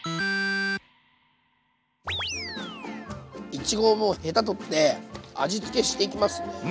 いちごはもうヘタ取って味付けしていきますね。